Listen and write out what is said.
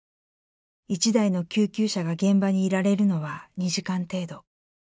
１台の救急車が現場にいられるのは２時間程度。